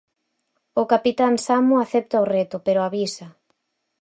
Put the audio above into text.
O capitán Samu acepta o reto, pero avisa.